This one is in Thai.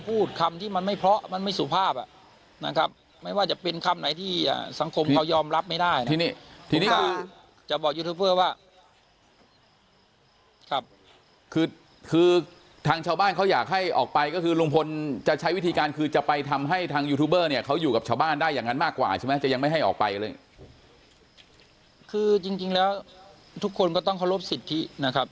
พูดคำที่มันไม่เพราะมันไม่สุภาพอ่ะนะครับไม่ว่าจะเป็นคำไหนที่สังคมเขายอมรับไม่ได้นะทีนี้ทีนี้คือจะบอกยูทูบเบอร์ว่าครับคือคือทางชาวบ้านเขาอยากให้ออกไปก็คือลุงพลจะใช้วิธีการคือจะไปทำให้ทางยูทูบเบอร์เนี่ยเขาอยู่กับชาวบ้านได้อย่างนั้นมากกว่าใช่ไหมจะยังไม่ให้ออกไปเลยคือจริงจริงแล้วทุกคนก็ต้องเคารพสิทธินะครับ